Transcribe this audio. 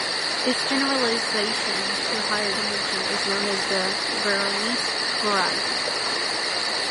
Its generalization to higher dimension is known as the Veronese variety.